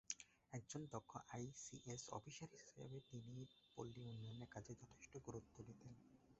একজন দক্ষ ICS officer হিসেবে তিনি পল্লী উন্নয়নের কাজে যথেষ্ট গুরুত্ব দিতেন।